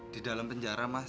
di dalam penjara mas